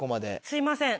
すいません。